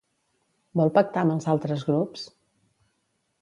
Vol pactar amb els altres grups?